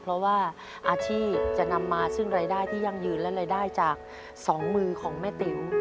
เพราะว่าอาชีพจะนำมาซึ่งรายได้ที่ยั่งยืนและรายได้จาก๒มือของแม่ติ๋ว